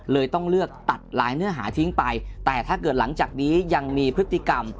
ต้องเลือกตัดหลายเนื้อหาทิ้งไปแต่ถ้าเกิดหลังจากนี้ยังมีพฤติกรรม